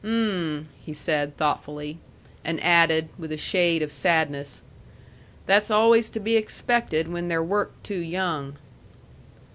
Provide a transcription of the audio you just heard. "Mm!" he said thoughtfully; and added, with a shade of sadness, "that's always to be expected when they're worked too young."